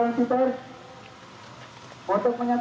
dan kita hari ini bukan untuk mengalah